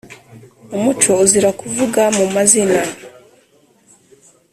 umuco uzira kuvuga mu mazina.